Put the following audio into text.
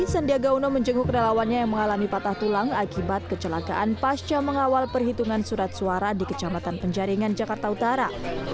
sandiaga uno menjenguk relawannya yang mengalami patah tulang akibat kecelakaan pasca mengawal perhitungan surat suara di kecamatan penjaringan jakarta utara